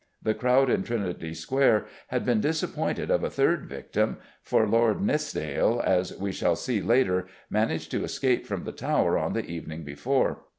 The crowd in Trinity Square had been disappointed of a third victim, for Lord Nithsdale, as we shall see later, managed to escape from the Tower on the evening before.